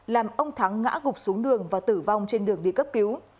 làm ông thắng ngã gục xuống đường và tử vong trên đường đi cấp cứu